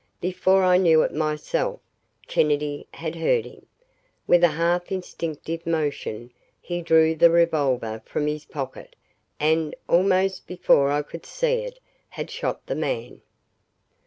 Before I knew it myself, Kennedy had heard him. With a half instinctive motion, he drew the revolver from his pocket and, almost before I could see it, had shot the man.